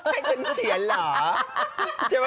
ให้ฉันเสียเหรอ